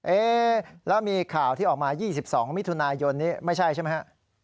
เอ๊ะแล้วมีข่าวที่ออกมา๒๒มิถุนายนนี้ไม่ใช่ใช่ไหมฮะ